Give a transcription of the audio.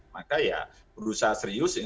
maka ya berusaha serius